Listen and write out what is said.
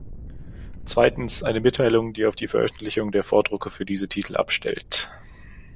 Zweitens, eine Mitteilung, die auf die Veröffentlichung der Vordrucke für diese Titel abstellt.